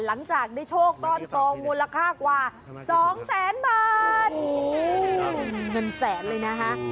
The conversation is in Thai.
หลังจากได้โชคก้อนตองมูลค่ากว่าสองแสนบาทเงินแสนเลยนะคะ